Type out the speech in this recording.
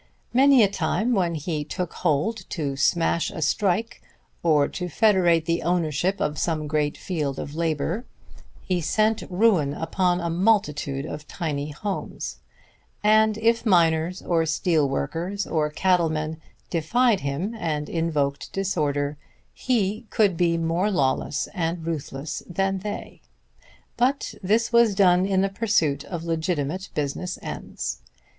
Many a time when he "took hold" to smash a strike, or to federate the ownership of some great field of labor, he sent ruin upon a multitude of tiny homes; and if miners or steel workers or cattlemen defied him and invoked disorder, he could be more lawless and ruthless than they. But this was done in the pursuit of legitimate business ends.